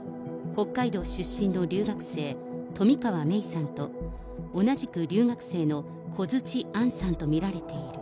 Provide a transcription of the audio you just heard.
北海道出身の留学生、冨川芽生さんと、同じく留学生のコヅチアンさんと見られている。